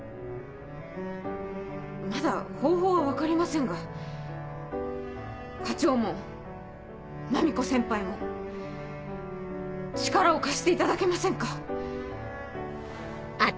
まだ方法は分かりませんが課長もマミコ先輩も力を貸していただけませんか？